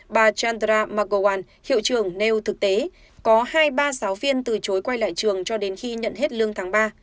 bà chandra markowan hiệu trường nêu thực tế có hai ba giáo viên từ chối quay lại trường cho đến khi nhận hết lương tháng ba